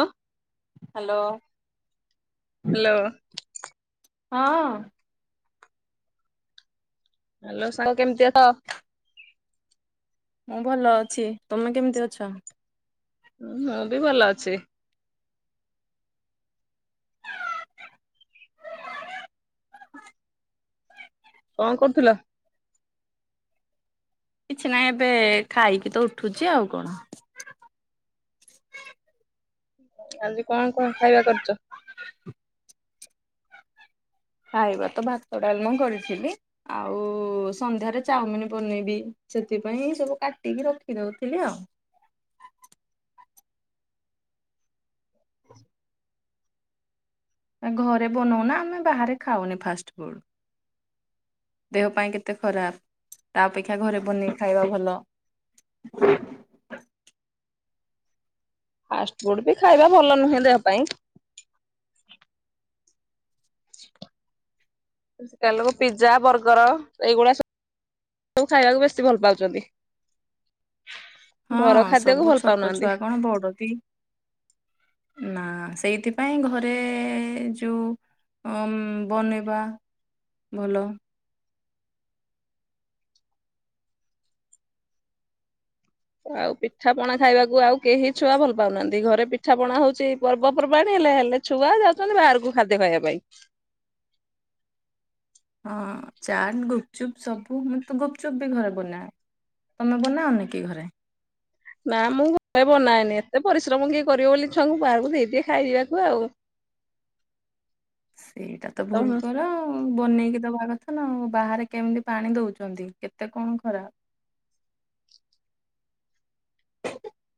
ଅ [unintelligible] hello. Hello. ହଁ। Hello. ସାଙ୍ଗ କେମିତି ଅଛ? ମୁଁ ଭଲ ଅଛି। ତମେ କେମିତି ଅଛ? ହୁଁ, ମୁଁ ବି ଭଲ ଅଛି। କଣ କରୁଥିଲ? କିଛି ନାହିଁ। ଏବେ ଖାଇକି ତ ଉଠୁଛି ଆଉ କଣ। ଆଜି କଣ କଣ ଖାଇବା କରିଛ? ଖାଇବା ତ ଭାତ, ଡାଲମା କରିଥିଲି। ଆଉ ସନ୍ଧ୍ୟାରେ ଚାଉମିିନ ବନେଇବି। ସେଥିପାଇଁ ସବୁ କାଟିକି ରଖିଦଉଥିଲି ଆଉ। [inaudible] ଘରେ ବନଉନା। ଆମେ ବାହାରେ ଖାଉନି ଫାଷ୍ଟଫୁଡ୍। ଦେହ ପାଇଁ କେତେ ଖରାପ। ତା ଅପେକ୍ଷା ଘରେ ବନେଇ ଖାଇବା ଭଲ। [inaudible] ଫାଷ୍ଟଫୁଡ୍ ବି ଖାଇବା ଭଲ ନୁହେଁ ଦେହ ପାଇଁ। ତେଲୁଗୁ ପିଜ୍ଜା, ବର୍ଗର, ଏଇଗୁଡ଼ା ସବୁ ସବୁ ଖାଇବାକୁ ବେଶୀ ଭଲ ପାଉଛନ୍ତି। ଘର ହଁ ଖାଦ୍ୟକୁ ସବୁ ଭଲ ଛୋଟ ପାଉନାହାନ୍ତି। ଛୁଆ କଣ, ବଡ଼ ବି ନା ସେଇଥିପାଇଁ ଘରେ ଯୋଉ ଅମ୍ ବନେଇବା ଭଲ। ଆଉ ପିଠାପଣା ଖାଇବାକୁ ଆଉ କେହି ଛୁଆ ଭଲ ପାଉନାହାନ୍ତି। ଘରେ ପିଠା ପଣା ହଉଛି ପର୍ବପର୍ବାଣୀ ହେଲେ। ହେଲେ ଛୁଆ ଯାଉଛନ୍ତି ବାହାରକୁ ଖାଦ୍ୟ ଖାଇବା ପାଇଁ। ହଁ, ଚାଟ, ଗୁପଚୁପ୍, ସବୁ ମୁଁ ତ ଗୁପଚୁପ୍ ବି ଘରେ ବନାଏ। ତମେ ବନାଅନିକି ଘରେ? ନା ମୁଁ ଘରେ ବନାଏନି। ଏତେ ପରିଶ୍ରମ କିଏ କରିବ ବୋଲି ଛୁଆଙ୍କୁ ବାହାରକୁ ଦେଇଦିଏ ଖାଇବାକୁ ଆଉ। ସେଇଟା ତ ତମ ଭୁଲ୍ କର ଆଉ। ଉଁ ବନେଇକି ଦବା କଥା ନା ଆଉ ବାହାରେ କେମିତି ପାଣି ଦଉଚନ୍ତି କେତେ କଣ ଖରାପ।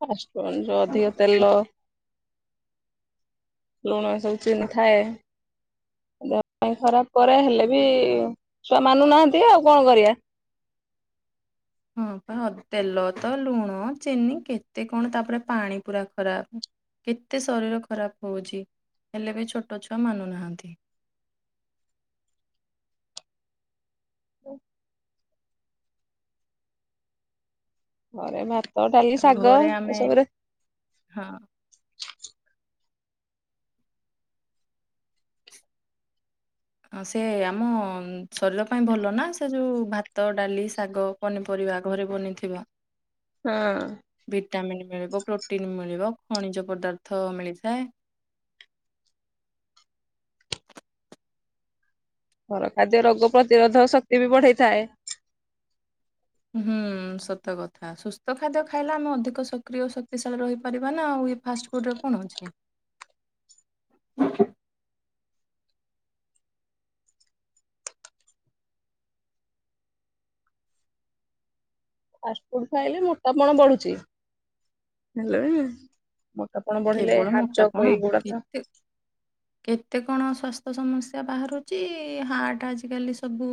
ଫାଷ୍ଟଫୁଡ୍ ଯୋଉ ଅଧିକ ତେଲ ଲୁଣ ସବୁ ଚିନି ଥାଏ। ଦେହ ପାଇଁ ଖରାପ କରେ ହେଲେ ବି ଛୁଆ ମାନୁ ନାହାନ୍ତି ଆଉ କଣ କରିଆ। ହଁ ପା ତେଲ ତ ଲୁଣ, ଚିନି କେତେ କଣ ତାପରେ ପାଣି ପୁରା ଖରାପ। କେତେ ଶରୀର ଖରାପ ହଉଚି ହେଲେ ବି ଛୋଟ ଛୁଆ ମାନୁ ନାହାଁନ୍ତି। ଘରେ ମା ଘରେ ଆମେ ହଁ। ହଁ ସେ ଆମ ଶରୀର ପାଇଁ ଭଲ ନା ସେ ଯୋଉ ଭାତ, ଡାଲି, ଶାଗ। ପନିପରିବା ଘରେ ବନିଥିବା। ହୁଁ। ଭିଟାମିନ୍ ମିଳିବ ପ୍ରୋଟିନ ମିଳିବ ଖଣିଜ ପଦାର୍ଥ ମିଳିଥାଏ। ଘର ଖାଦ୍ୟ ରୋଗ ପ୍ରତିରୋଧକ ଶକ୍ତି ବି ବଢେଇଥାଏ। ହୁଁ ସତ କଥା ସୁସ୍ଥ ଖାଦ୍ୟ ଖାଇଲେ ଆମେ ଅଧିକ ସକ୍ରିୟ ଶକ୍ତିଶାଳୀ ରହିପାରିବା ନା ଆଉ ଫାଷ୍ଟ ଫୁଡ ରେ କଣ ଅଛି। ଫାଷ୍ଟ ଫୁଡ ଖାଇଲେ ମୋଟା ପଣ ବଢୁଚି ହେଲେ ମୋଟାପଣ ବଢିଲେ କେବଳ ମୋଟାପଣ ହାଟଚୋକ ଏଇଗୁଡା ତ [inaudible] କେତେ କଣ ସ୍ୱାସ୍ଥ୍ୟ ସମସ୍ୟା ବାହାରୁଛି ହାର୍ଟ ଆଜିକାଲି ସବୁ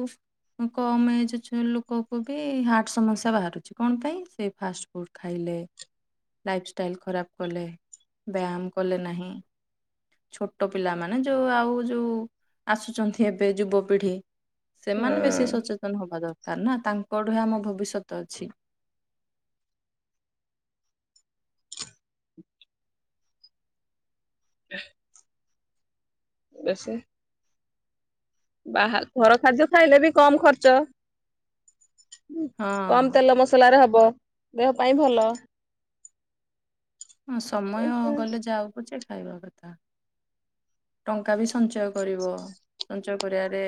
କମ୍ ଏଜ୍ ଛୁଆ ଲୋକକୁ ବି ହାର୍ଟ ସମସ୍ୟା ବାହାରୁଚି କଣ ପାଇଁ ସେଇ ଫାଷ୍ଟ ଫୁଡ। ଖାଇଲେ ଲାଇଫ ଷ୍ଟାଇଲ ଖରାପ କଲେ। ବ୍ୟାମ କଲେ ନାହିଁ। ଛୋଟ ପିଲାମାନେ ଯୋଉ ଆଉ ଯୋଉ ଆସୁଛନ୍ତି ଏବେ ଯୁବପିଢି। ହଁ ସେମାନେ ବେଶୀ ସଚେତନ ହବା ଦରକାର ନା ତାଙ୍କଠି ଆମ ଭବିଷ୍ୟତ ଅଛି। [unintelligible] [unintelligible] ବାହା ଘର ଖାଦ୍ୟ ଖାଇଲେ ବି କମ୍ ଖର୍ଚ୍ଚ କମ୍ ହଁ ତେଲମସ ମସଲାରେ ହବ ଦେହ ପାଇଁ ଭଲ। ହଁ ସମୟ ଗଲେ ଯାଉପଛେ ଖାଇବା କଥା। ଟଙ୍କା ବି ସଞ୍ଚୟ କରିବ। ସଞ୍ଚୟ କରିବାରେ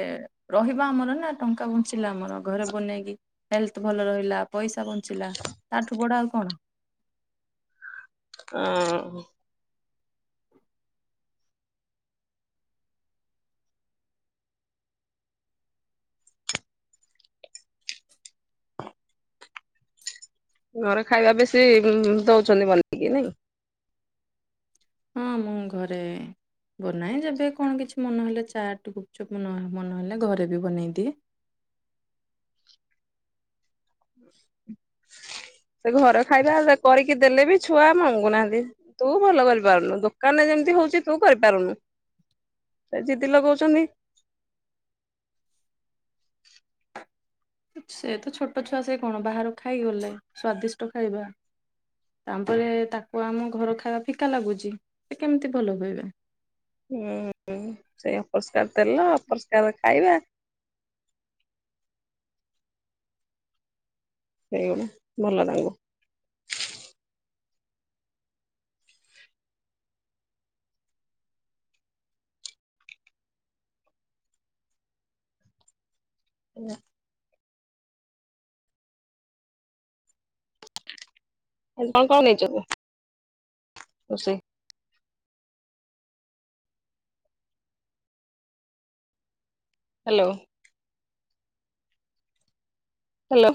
ରହିବ ଆମର ନା ଟଙ୍କା ବଞ୍ଚିଲା ଆମର ଘରେ ବନେଇକି ହେଲଥ୍ ଭଲ ରହିଲା ପଇସା ବଞ୍ଚିଲା ତାଠୁ ବଡ ଆଉ କଣ। ଅଁ। ଘରେ ଖାଇବା ବେଶୀ ଦୋଉଚନ୍ତି ବନେଇକି ନାଇଁ? ହଁ ମୁଁ ଘରେ ବନାଏ ଯେବେ କଣ କିଛି ମନହେଲେ ଚାଟ ଗୁପଚୁପ୍ ମନ ମନହେଲେ ଘରେ ବି ବନେଇଦିଏ। ସେ ଘର ଖାଇବା କରିକି ଦେଲେ ବି ଛୁଆ ମଙ୍ଗୁନାହାନ୍ତି। ତୁ ଭଲ କରିପାରୁନୁ ଦୋକାନରେ ଯେମିତି ହୋଉଚି ତୁ କରିପାରୁନୁ। ଏ ଜିଦି ଲଗଉଚନ୍ତି। ସେ ତ ଛୋଟ ଛୁଆ ସେ କଣ ବାହାରୁ ଖାଇଗଲେ ସ୍ଵାଦିଷ୍ଟ ଖାଇବା। ତାପରେ ତାକୁ ଆମ ଘର ଖାଇବା ଫିକା ଲାଗୁଚି ସେ କେମିତି ଭଲ କହିବେ। ଉଁ ହୁଁ ସେଇ ଅପରିଷ୍କାର ତେଲ ଅପରିଷ୍କାର ଖାଇବା ସେଇଗୁଡ଼ା ଭଲ ତାଙ୍କୁ। ନା। [unintelligible] ରୋଷେଇ? Hello hello